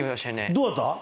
どうだった？